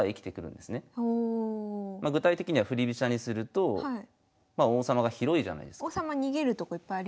具体的には振り飛車にすると王様が広いじゃないですか。